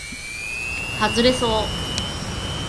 はずれそう